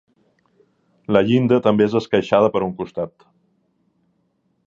La llinda també és esqueixada per un costat.